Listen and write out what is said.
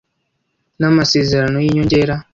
n amasezerano y inyongera